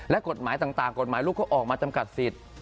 และกฎหมายต่างกฎหมายลูกก็ออกมาจำกัดสิทธิ์